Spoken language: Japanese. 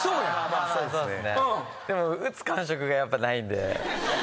でも打つ感触がやっぱないんで。